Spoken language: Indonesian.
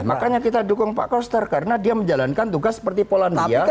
makanya kita dukung pak koster karena dia menjalankan tugas seperti polandia